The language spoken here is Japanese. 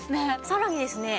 さらにですね